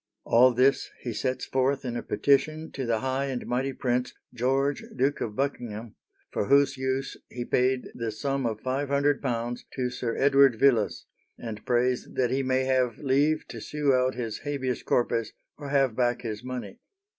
All this he sets forth in a petition to the high and mighty prince, George, Duke of Buckingham, for whose use he paid the sum of £500 to Sir Edward Villiers, and prays that he may have leave to sue out his Habeas Corpus, or have back his money.